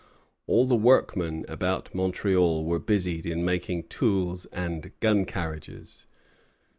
All the workmen about Montreal were busied in making tools and gun carriages.